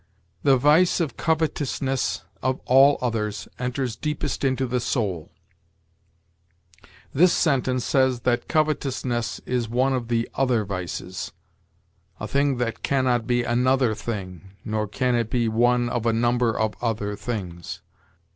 "The vice of covetousness, of all others, enters deepest into the soul." This sentence says that covetousness is one of the other vices. A thing can not be another thing, nor can it be one of a number of other things.